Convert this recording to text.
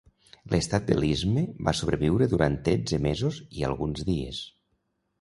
L'Estat de l'Istme va sobreviure durant tretze mesos i alguns dies.